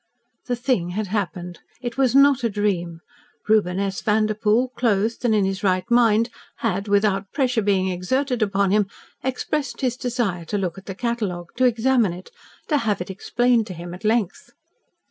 The thing had happened. It was not a dream. Reuben S. Vanderpoel, clothed and in his right mind, had, without pressure being exerted upon him, expressed his desire to look at the catalogue to examine it to have it explained to him at length.